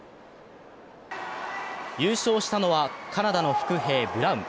優勝したのは、カナダの伏兵・ブラウン。